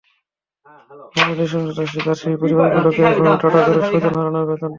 মানুষের নৃশংসতার শিকার সেই পরিবারগুলোকে এখনো তাড়া করে স্বজন হারানোর বেদনা।